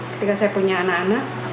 ketika saya punya anak anak